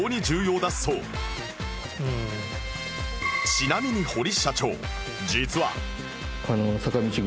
ちなみに堀社長実は